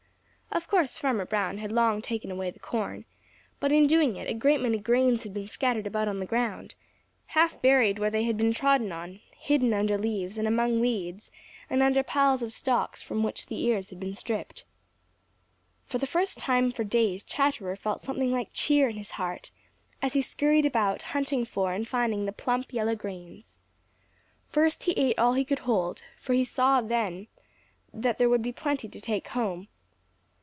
Of course Farmer Brown had long ago taken away the corn, but in doing it, a great many grains had been scattered about on the ground, half buried where they had been trodden on, hidden under leaves and among weeds and under the piles of stalks from which the ears had been stripped. For the first time for days Chatterer felt something like cheer in his heart, as he scurried about hunting for and finding the plump yellow grains. First he ate all he could hold, for he saw that then there would be plenty to take home.